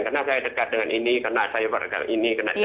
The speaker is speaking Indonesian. karena saya dekat dengan ini karena saya dekat dengan ini